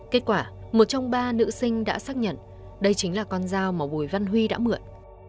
kết quả một trong ba nữ sinh đã xác nhận đây chính là con dao mà bùi văn huy đã mượn